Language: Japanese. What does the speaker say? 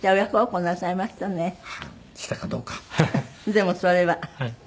でもそれは。